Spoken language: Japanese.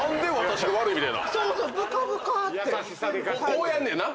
こうやんねんな？